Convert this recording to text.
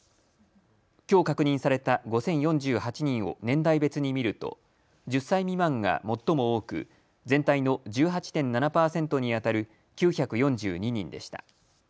きょう確認された５０４８人を年代別に見ると１０歳未満が最も多く全体の１８．７％にあたる９４２人でした。